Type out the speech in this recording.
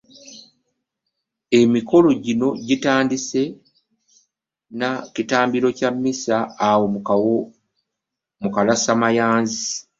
Emikolo gino gitandise na kitambiro kya mmisa awo mu Kalasamayanzi.